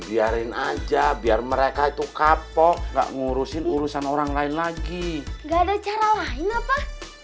biarin aja biar mereka itu kapok gak ngurusin urusan orang lain lagi gak ada cara lain apa